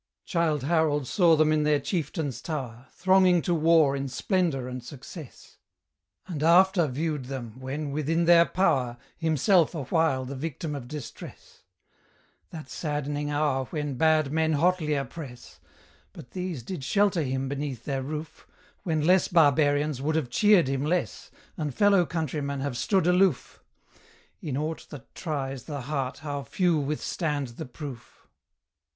Childe Harold saw them in their chieftain's tower, Thronging to war in splendour and success; And after viewed them, when, within their power, Himself awhile the victim of distress; That saddening hour when bad men hotlier press: But these did shelter him beneath their roof, When less barbarians would have cheered him less, And fellow countrymen have stood aloof In aught that tries the heart how few withstand the proof!